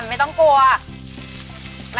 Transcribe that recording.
ไม่ต้องกลัว